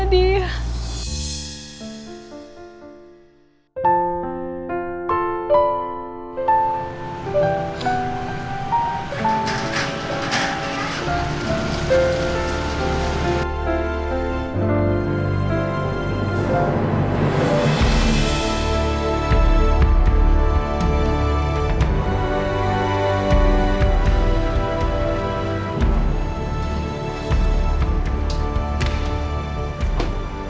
hasilnya ada siapa